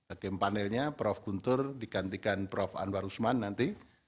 hakim panelnya prof guntur digantikan prof anwar usman nanti